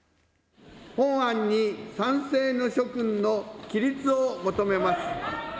法案に賛成の職員の起立を求めます。